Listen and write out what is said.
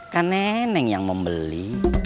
kan neneng yang membeli